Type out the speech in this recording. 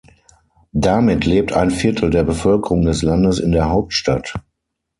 Damit lebt ein Viertel der Bevölkerung des Landes in der Hauptstadt.